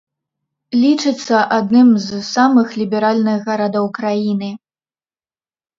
Лічыцца адным з самых ліберальных гарадоў краіны.